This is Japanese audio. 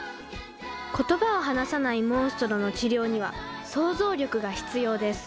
言葉を話さないモンストロの治療には想像力が必要です。